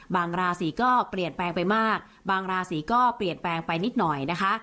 ราศีก็เปลี่ยนแปลงไปมากบางราศีก็เปลี่ยนแปลงไปนิดหน่อยนะคะ